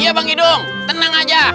iya bang idung tenang aja